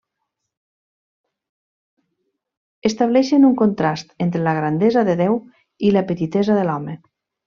Estableixen un contrast entre la grandesa de Déu i la petitesa de l'home.